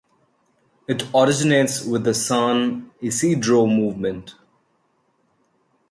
It originates with the San Isidro Movement.